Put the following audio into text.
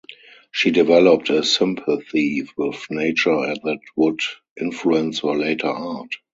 She developed a sympathy with nature that would influence her later art.